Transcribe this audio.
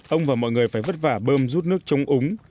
ông và mọi người phải vất vả bơm rút nước chống úng